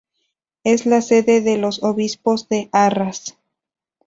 Es la sede de los obispos de Arras.